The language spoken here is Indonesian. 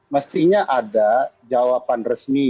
mestinya ada jawaban resmi